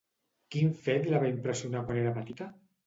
Quin fet la va impressionar quan era petita?